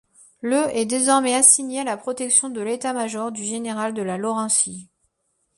Le est désormais assigné à la protection de l'état-major du général de La Laurencie.